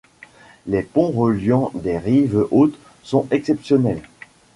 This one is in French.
Les ponts reliant des rives hautes sont exceptionnels.